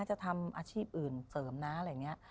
จะทำอาชีพอื่นเสริมนะอะไรอย่างนี้